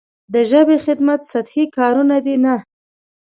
د ژبې خدمت سطحي کارونه دي نه.